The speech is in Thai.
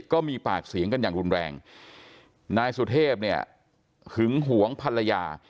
ก็มีปากเสียงกันอย่างรุนแรงนายสุเทพเนี่ยหึงหวงภรรยา